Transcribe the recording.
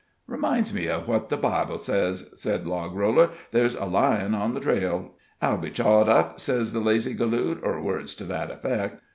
"Reminds me of what the Bible sez," said Logroller; "'there's a lion on the trail; I'll be chawed up, sez the lazy galoot,' ur words to that effect."